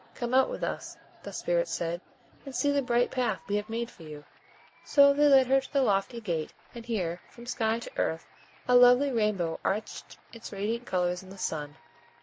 Come out with us," the Spirits said, "and see the bright path we have made for you." So they led her to the lofty gate, and here, from sky to earth, a lovely rainbow arched its radiant colors in the sun.